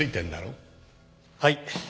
はい。